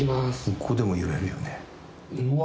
ここでも揺れるよねうわ